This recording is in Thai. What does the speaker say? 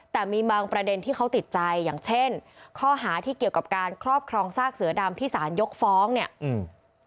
แต่มีบางประเด็นที่เขาติดใจอย่างเช่นข้อหาที่เกี่ยวกับการครอบครองซากเสือดำที่สารยกฟ้องเนี่ยอืม